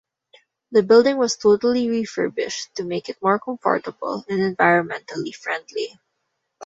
The building was totally refurbished to make it more comfortable and environmentally friendly.